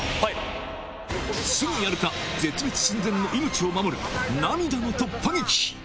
スグやる課、絶滅寸前の命を守る、涙の突破劇。